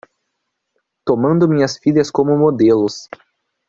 Tomando minhas filhas como modelos